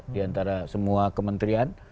di antara semua kementerian